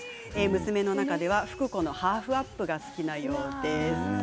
娘の中では福子のハーフアップが好きなようです。